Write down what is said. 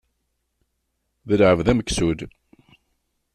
D lεebd ameksul.